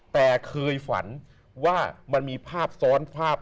แต่เคยฝันว่ามันมีภาพซ้อนภาพ